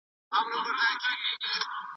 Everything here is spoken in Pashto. ایا ته خپله املا پخپله سمولی سې؟